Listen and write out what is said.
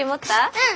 うん！